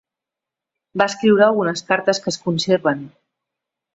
Va escriure algunes cartes que es conserven.